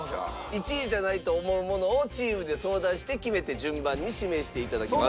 １位じゃないと思うものをチームで相談して決めて順番に指名していただきます。